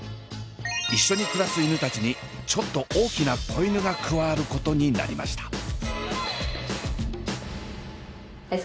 一緒に暮らす犬たちにちょっと大きな子犬が加わることになりました。